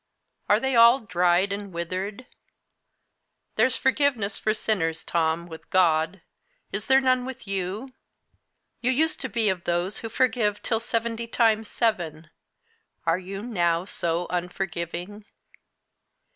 Are they all dried and withered? There's forgiveness for sinners, Tom, with God; is there none with you? You used to be of those who forgive till seventy times seven; are you now so unforgiving?